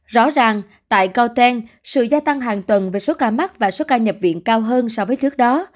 rõ ràng tại coten sự gia tăng hàng tuần về số ca mắc và số ca nhập viện cao hơn so với trước đó